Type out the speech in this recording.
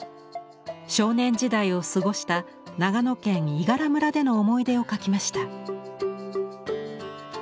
少年時代を過ごした長野県伊賀良村での思い出を描きました。